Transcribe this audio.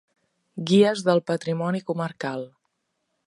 Guies del patrimoni comarcal.